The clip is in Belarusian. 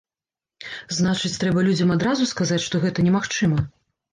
Значыць, трэба людзям адразу сказаць, што гэта немагчыма?